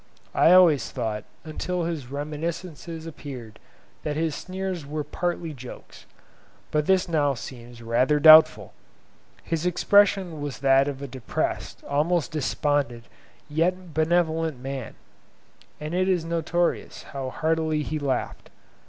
I always thought, until his 'Reminiscences' appeared, that his sneers were partly jokes, but this now seems rather doubtful. His expression was that of a depressed, almost despondent yet benevolent man; and it is notorious how heartily he laughed.